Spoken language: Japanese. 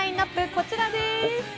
こちらです。